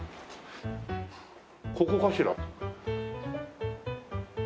ここかしら？